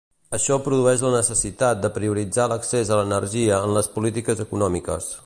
Això produeix la necessitat de prioritzar l'accés a l'energia en les polítiques econòmiques.